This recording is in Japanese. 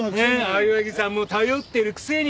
青柳さんも頼ってるくせに！